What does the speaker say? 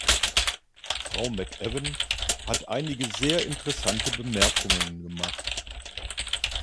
Frau McAvan hat einige sehr interessante Bemerkungen gemacht.